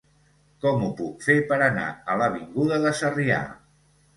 Com ho puc fer per anar a l'avinguda de Sarrià?